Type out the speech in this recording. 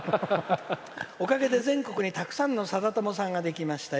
「おかげで全国にたくさんのさだ友さんができましたよ。